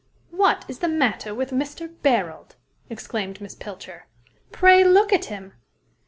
"What is the matter with Mr. Barold?" exclaimed Miss Pilcher. "Pray look at him."